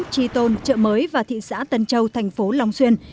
tri tôn trợ mới và thị xã tân châu thành phố long xuyên